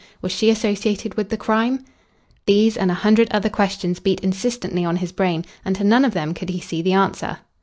Was she associated with the crime? These and a hundred other questions beat insistently on his brain, and to none of them could he see the answer.